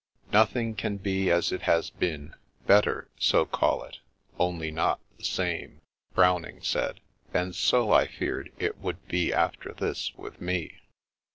Nothing can be as it has been ; Better, so call it, only not the same, Browning said ; and so, I feared, it would be after this with me.